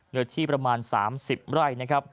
เนื้อที่ประมาณ๓๐ไร่